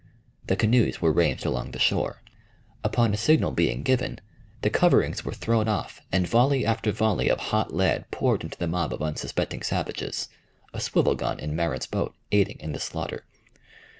The canoes were ranged along the shore. Upon a signal being given, the coverings were thrown off and volley after volley of hot lead poured into the mob of unsuspecting savages, a swivel gun in Marin's boat aiding in the slaughter.